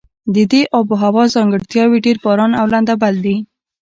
د دې آب هوا ځانګړتیاوې ډېر باران او لنده بل دي.